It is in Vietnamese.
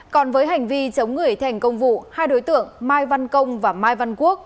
còn với hành vi chống người thành công vụ hai đối tượng mai văn công và mai văn quốc